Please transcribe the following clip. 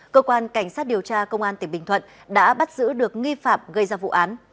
cơ quan cảnh sát điều tra công an tỉnh bình thuận đã bắt giữ được nghi phạm gây ra vụ án